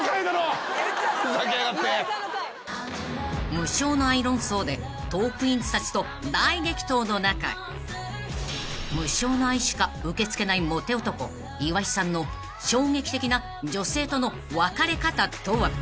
［無償の愛論争でトークィーンズたちと大激闘の中無償の愛しか受け付けないモテ男岩井さんの衝撃的な女性との別れ方とは？］